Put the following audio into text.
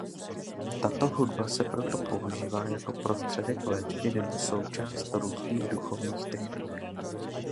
Tato hudba se proto používá jako prostředek léčby nebo součást různých duchovních technik.